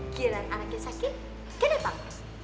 giliran anak yang sakit kedepan